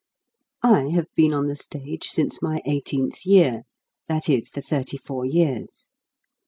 I have been on the stage since my eighteenth year ; that is, for thirty four years.